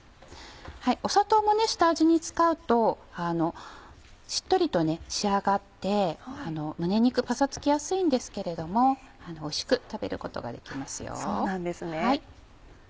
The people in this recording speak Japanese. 砂糖も下味に使うとしっとりと仕上がって胸肉パサつきやすいんですけれどもおいしく食べることができますよ。